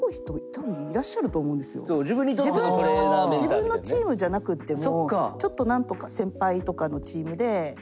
自分のチームじゃなくってもちょっと何とか先輩とかのチームで。